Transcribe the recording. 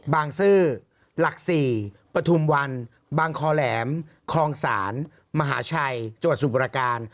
บางซื่อหลักศรีปฐุมวันบางคอแหลมคลองศาลมหาชัยจวดสูตรประการ